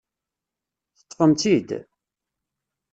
Teṭṭfem-tt-id?